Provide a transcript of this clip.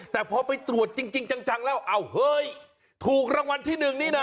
แต่พอไปตรวจจริงจังแล้วอ้าวเฮ้ยถูกรางวัลที่๑นี่นะ